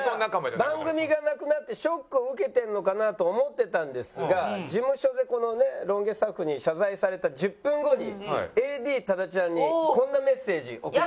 番組がなくなってショックを受けてるのかなと思ってたんですが事務所でこのロン毛スタッフに謝罪された１０分後にＡＤ多田ちゃんにこんなメッセージ送ってきました。